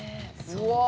うわ！